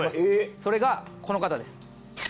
それがこの方です。